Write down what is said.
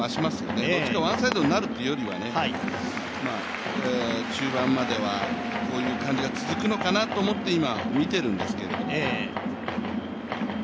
どっちかワンサイドになるというよりは中盤まではこういう感じが続くのかなと思って今、見ているんですけど。